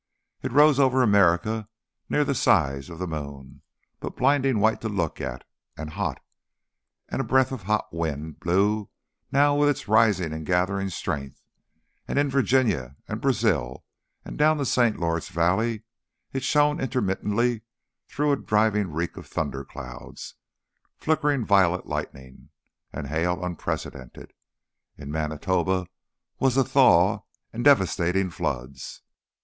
It rose over America near the size of the moon, but blinding white to look at, and hot; and a breath of hot wind blew now with its rising and gathering strength, and in Virginia, and Brazil, and down the St. Lawrence valley, it shone intermittently through a driving reek of thunder clouds, flickering violet lightning, and hail unprecedented. In Manitoba was a thaw and devastating floods.